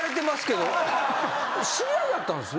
知り合いやったんすね。